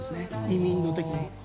移民の時に。